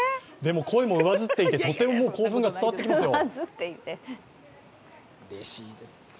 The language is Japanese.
声もうわずっていて、とても興奮が伝わってきますよ。